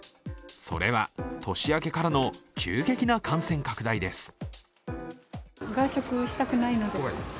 それは年明けからの急激な感染拡大です。